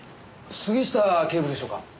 杉下警部でしょうか？